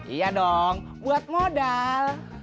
iya dong buat modal